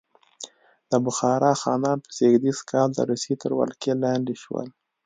د بخارا خانان په زېږدیز کال د روسیې تر ولکې لاندې شول.